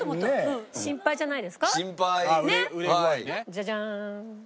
ジャジャン。